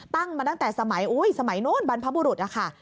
ตั้งมาตั้งแต่สมัยสมัยโน้นบรรพบุรุษอะค่ะ